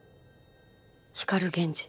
光源氏。